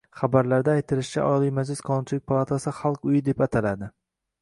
Xabarda aytilishicha, Oliy Majlis Qonunchilik palatasi Xalq uyi deb ataladi